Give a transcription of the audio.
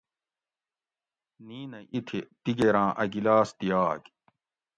نِینہ ایتھی دیگیراں اۤ گِلاس دیاگ